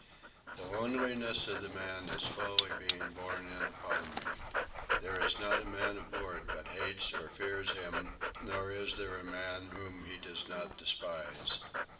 The loneliness of the man is slowly being borne in upon me. There is not a man aboard but hates or fears him, nor is there a man whom he does not despise.